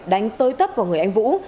đánh tới tấp của người anh vũ